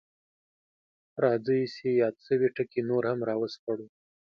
راځئ چې یاد شوي ټکي نور هم راوسپړو: